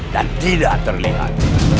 dan tidak terlihat